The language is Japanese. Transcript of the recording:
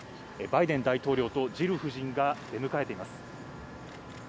バイデン大統領とジル夫人が出迎えています。